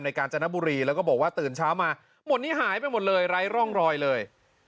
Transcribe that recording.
กาญจนบุรีแล้วก็บอกว่าตื่นเช้ามาหมดนี้หายไปหมดเลยไร้ร่องรอยเลย